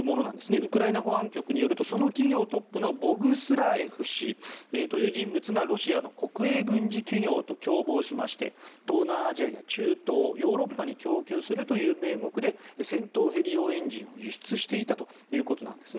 ウクライナ保安局によるとその企業トップのボグスラエフ氏という人物がロシアの国営軍事企業と共謀しまして東南アジアや中東、ヨーロッパに供給するという名目で戦闘ヘリ用エンジンを輸出していたということなんですね。